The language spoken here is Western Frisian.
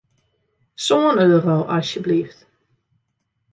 Sân euro, asjeblyft.